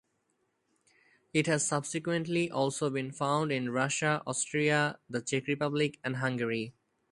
It has subsequently also been found in Russia, Austria, the Czech Republic, and Hungary.